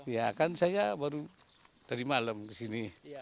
ya kan saya baru dari malam ke sini